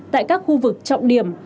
tại các khu vực trọng điểm